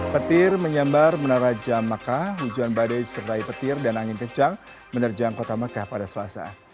petir menyambar menara jamakah hujuan badai disertai petir dan angin kencang menerjang kota makkah pada selasa